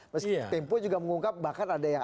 meskipun tempo juga mengungkap bahkan ada yang